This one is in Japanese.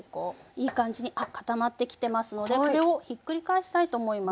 いい感じにあっ固まってきてますのでこれをひっくり返したいと思います。